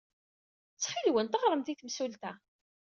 Ttxil-went, ɣremt i temsulta.